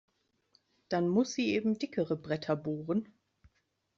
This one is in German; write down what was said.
Dann muss sie eben dickere Bretter bohren.